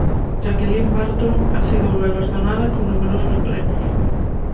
Jacqueline Barton ha sido galardonada con numerosos premios.